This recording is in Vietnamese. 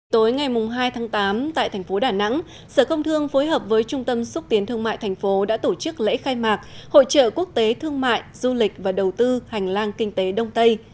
tối ngày hai tháng tám tại thành phố đà nẵng sở công thương phối hợp với trung tâm xúc tiến thương mại thành phố đã tổ chức lễ khai mạc hội trợ quốc tế thương mại du lịch và đầu tư hành lang kinh tế đông tây